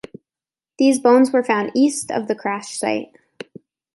These bones were found east of the crash site.